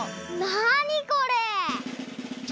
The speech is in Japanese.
なにこれ？